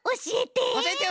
おしえて。